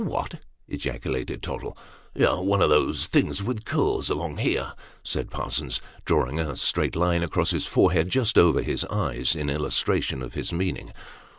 " A what ?" ejaculated Tottle. " One of those things with curls, along here," said Parsons, drawing a straight line across his forehead, just over his eyes, in illustration of his meaning.